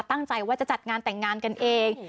ตั้งใจว่าจะจัดงานแต่งงานกันเอง